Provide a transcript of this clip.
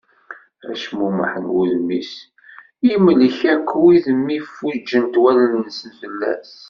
Acmummeḥ n wudem-is yemlek akk wid mi fuǧent wallen-nsen fell-as.